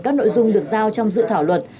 các nội dung được giao trong dự thảo luật